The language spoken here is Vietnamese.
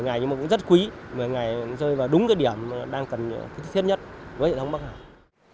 một mươi ngày nhưng mà cũng rất quý một mươi ngày rơi vào đúng cái điểm đang cần thiết nhất với hệ thống bắc hưng hải